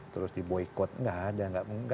terus di boykot nggak ada